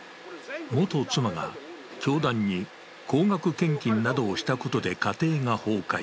元妻が教団に高額献金などをしたことで家庭が崩壊。